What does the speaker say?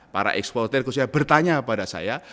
para eksporter khususnya bertanya kepada saya